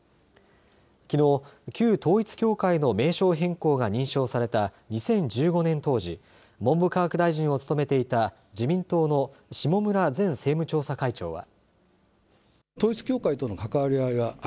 きのう、旧統一教会の名称変更が認証された２０１５年当時文部科学大臣を務めていた自民党の下村前政務調査会長は。